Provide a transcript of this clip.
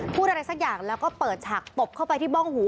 พูดอะไรสักอย่างแล้วก็เปิดฉากตบเข้าไปที่บ้องหู